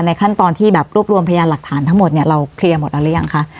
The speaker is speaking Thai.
ขั้นตอนที่แบบรวบรวมพยานหลักฐานทั้งหมดเนี่ยเราเคลียร์หมดแล้วหรือยังคะ